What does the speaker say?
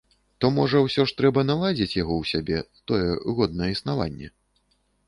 То можа ўсё ж трэба наладзіць яго ў сябе, тое годнае існаванне?